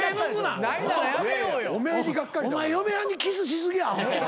お前嫁はんにキスし過ぎアホ。